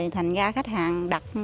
thành ra khách hàng đặt